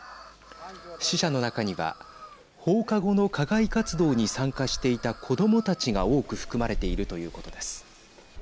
死者の中には放課後の課外活動に参加していた子どもたちが多く含まれているということです。